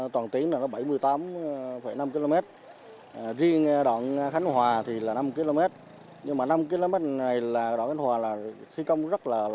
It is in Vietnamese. toàn tiến là bảy mươi tám năm km riêng đoạn khánh hòa thì là năm km nhưng mà năm km này là đoạn khánh hòa là thi công rất là